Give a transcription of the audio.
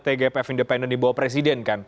tgpf independen dibawa presiden kan